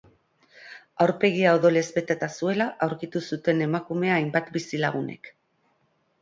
Aurpegia odolez beteta zuela aurkitu zuten emakumea hainbat bizilagunek.